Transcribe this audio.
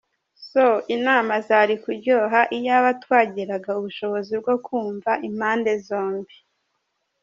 so inama zari kuryoha iyaba twagiraga ubushobozi bwo kumva impande zombi.